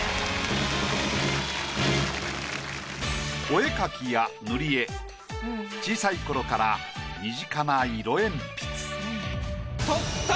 お絵描きや塗り絵小さい頃から身近な色鉛筆。